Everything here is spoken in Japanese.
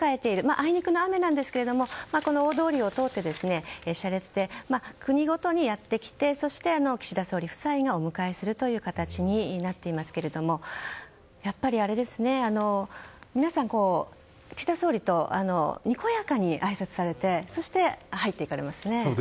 あいにくの雨ですが大通りを通って、車列で国ごとにやってきて岸田総理夫妻がお迎えするという形になっていますがやっぱり、皆さん岸田総理とにこやかにあいさつされてそして入っていかれますね。